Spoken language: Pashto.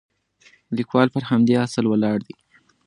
لیکوال پر همدې اصل ولاړ دی.